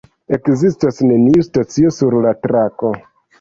Ekzistas neniu stacio sur la trako.